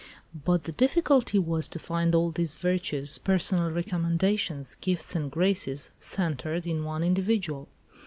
But the difficulty was to find all these virtues, personal recommendations, gifts and graces, centred in one individual.